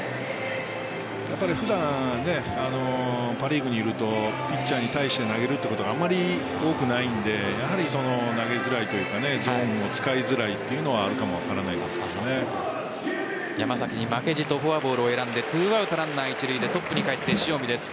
普段、パ・リーグにいるとピッチャーに対して投げるということがあまり多くないのでやはり投げづらいというかゾーンを使いづらいというのは山崎に負けじとフォアボールを選んで２アウトランナー一塁でトップに返って塩見です。